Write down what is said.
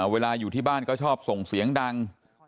เวลาอยู่ที่บ้านเขาชอบส่งเสียงดัง